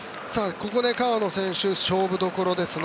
ここで川野選手勝負どころですね。